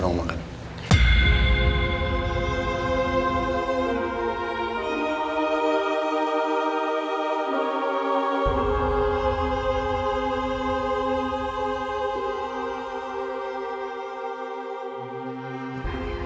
aku sudah selesai